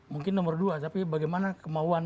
mungkin nomor dua tapi bagaimana kemauan